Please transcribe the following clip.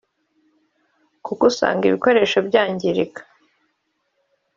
kuko usanga ibikoresho byangirika